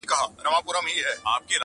لوڅ لپړ وو په كوټه كي درېدلى،